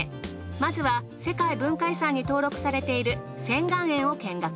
まずは世界文化遺産に登録されている仙巌園を見学。